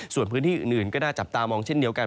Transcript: ส่วนพื้นที่อื่นก็น่าจับตามองเช่นเดียวกัน